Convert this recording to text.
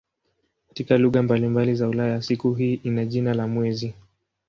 Katika lugha mbalimbali za Ulaya siku hii ina jina la "mwezi".